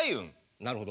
なるほど。